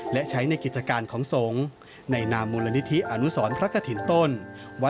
และใช้ในกิจการของทรง